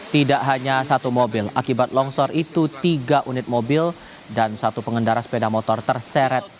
tidak hanya satu mobil akibat longsor itu tiga unit mobil dan satu pengendara sepeda motor terseret